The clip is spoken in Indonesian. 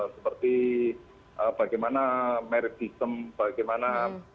seperti bagaimana merit sistem bagaimana